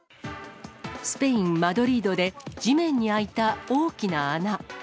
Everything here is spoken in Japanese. スペイン・マドリードで、地面に開いた大きな穴。